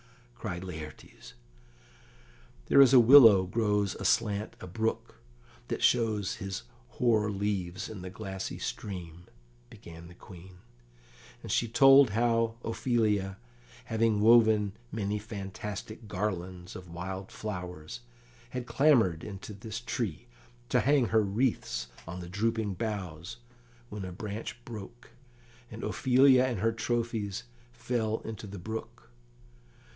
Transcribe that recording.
cried Laertes. "There is a willow grows aslant a brook that shows his hoar leaves in the glassy stream," began the Queen; and she told how Ophelia, having woven many fantastic garlands of wild flowers, had clambered into this tree, to hang her wreaths on the drooping boughs, when a branch broke, and Ophelia and her trophies fell into the brook.